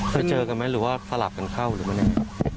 เคยเจอกันมั้ยหรือว่าสลับกันเข้าหรือมั้ย